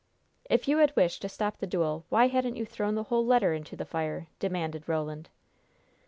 "If you had wished to stop the duel, why hadn't you thrown the whole letter into the fire?" demanded Roland.